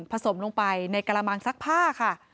สมลงไปในกระมังซักผ้าค่ะ